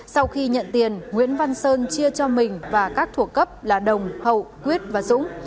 sau khi nhận tiền nguyễn văn sơn chia cho mình và các thuộc cấp là đồng hậu quyết và dũng